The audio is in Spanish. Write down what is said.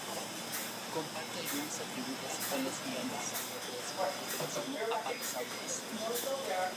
Comparte algunos atributos con los gigantes saurópodos cuadrúpedos como "Apatosaurus".